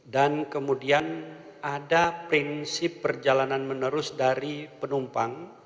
dan kemudian ada prinsip perjalanan menerus dari penumpang